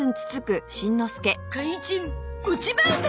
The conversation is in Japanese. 怪人落ち葉男！